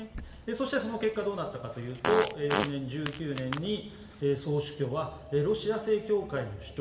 そして、その結果どうなったかというと翌年の２０１９年に総主教はロシア正教会の主張